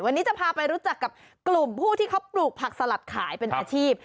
วันนี้จะพาไปรู้จักกับกลุ่มผู้ที่เขาปลูกผักสลัดขายเป็นอาชีพ